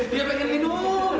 dia pengen minum